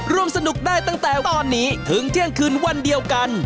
ร่วมสนุกได้ตั้งแต่ตอนนี้ถึงเที่ยงคืนวันเดียวกัน